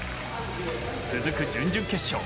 続く準々決勝。